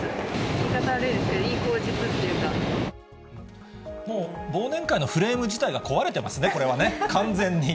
言い方悪いですけど、いい口実っもう、忘年会のフレーム自体が壊れてますね、これはね、完全に。